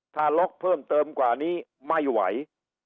ถ้าล็อกเพิ่มเติมกว่านี้ไม่ไหว